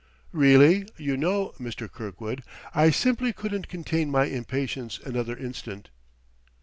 "Really, you know, Mr. Kirkwood, I simply couldn't contain my impatience another instant."